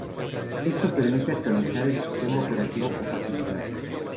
Esto permite actualizar el sistema operativo con facilidad.